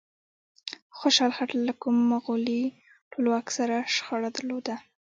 خوشحال خټک له کوم مغولي ټولواک سره شخړه درلوده؟